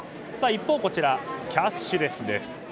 一方、こちらキャッシュレスです。